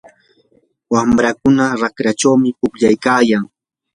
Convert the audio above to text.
wamrakuna raqrachawmi pukllaykayan.